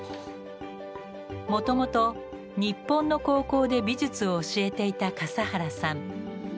もともと日本の高校で美術を教えていた笠原さん。